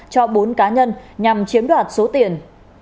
cho bốn cá nhân nhằm chiếm đoạt số tiền